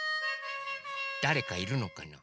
だれかいるのかな？